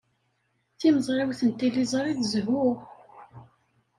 Timeẓriwt n tliẓri d zzhu.